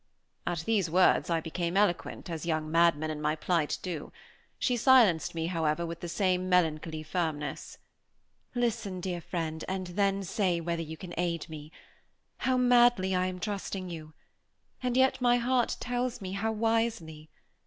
At these words I became eloquent, as young madmen in my plight do. She silenced me, however, with the same melancholy firmness. "Listen, dear friend, and then say whether you can aid me. How madly I am trusting you; and yet my heart tells me how wisely!